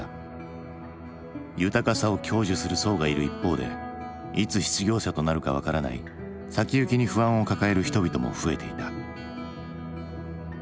豊かさを享受する層がいる一方でいつ失業者となるか分からない先行きに不安を抱える人々も増えていた。